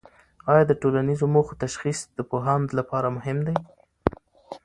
آیا د ټولنیزو موخو تشخیص د پوهاند لپاره مهم دی؟